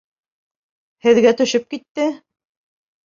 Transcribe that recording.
Һеҙгә төшөп китте!